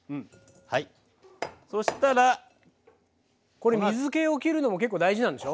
これ水けをきるのも結構大事なんでしょ。